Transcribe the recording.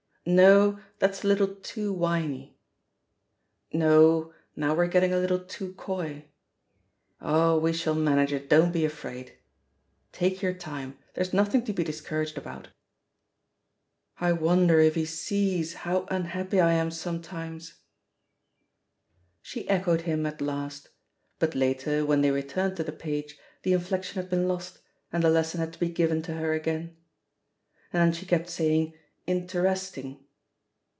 ••, No, that's a little too whiny I ••• No, now we're getting a little too coy I ••. Oh, we shall manage it, don't be afraid I Take your time, there's nothing to be discouraged about. ^I wonder if he sees how unhappy I am some times.' " She echoed him at last; but later, when they returned to the page, the inflexion had been lost, and the lesson had to be given to her again. And then she kept saying "interesting."